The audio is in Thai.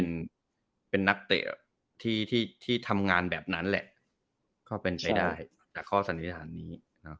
เป็นนักเตะที่ที่ทำงานแบบนั้นแหละก็เป็นไปได้จากข้อสันนิษฐานนี้